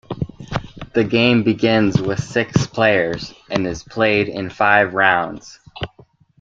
The game begins with six players and is played in five rounds.